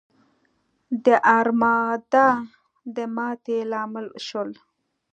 د ارمادا د ماتې لامل شول.